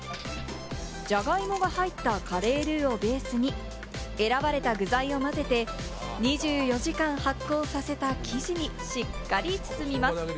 ジャガイモが入ったカレールーをベースに選ばれた具材を混ぜて、２４時間発酵させた生地にしっかり包みます。